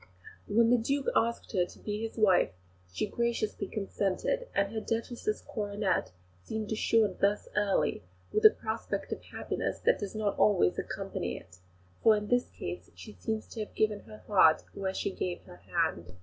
When the Duke asked her to be his wife she graciously consented, and her Duchess's coronet seemed assured thus early, with a prospect of happiness that does not always accompany it; for in this case she seems to have given her heart where she gave her hand.